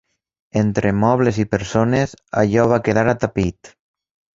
Entre mobles i persones, allò va quedar atapeït.